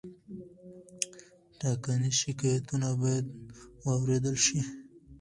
ټاکنیز شکایتونه باید واوریدل شي.